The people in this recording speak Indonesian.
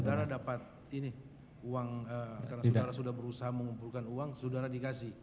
sudara dapat uang karena sudara sudah berusaha mengumpulkan uang sudara dikasih